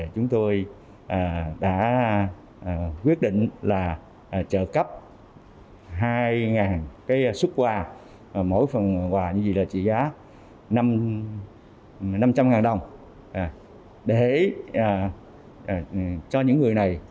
chúng tôi đã quyết định trợ cấp hai xuất quà mỗi phần quà trị giá năm trăm linh đồng